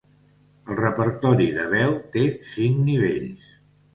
El repertori de veu té cinc nivells.